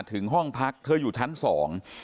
ถึงห้องพักเธออยู่ทั้ง๒